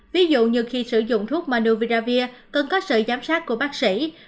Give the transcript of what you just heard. ví dụ như khi sử dụng thuốc manuviravir cần có sự giám sát của bác sĩ